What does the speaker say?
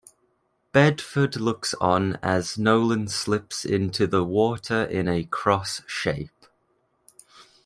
Bedford looks on as Nolan slips into the water in a cross shape.